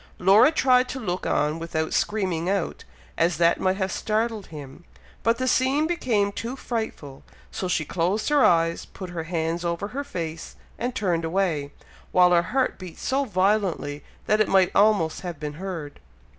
Laura tried to look on without screaming out, as that might have startled him, but the scene became too frightful, so she closed her eyes, put her hands over her face and turned away, while her heart beat so violently, that it might almost have been heard.